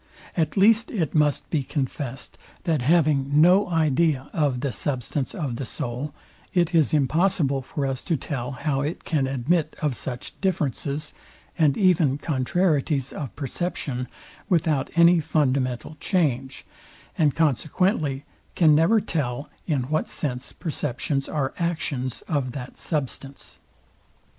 At least it must be confest, that having idea of the substance of the soul, it is impossible for us to tell how it can admit of such differences, and even contrarieties of perception without any fundamental change; and consequently can never tell in what sense perceptions are actions of that substance.